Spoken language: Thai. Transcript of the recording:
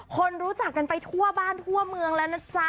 คนรู้จักกันไปทั่วบ้านทั่วเมืองแล้วนะจ๊ะ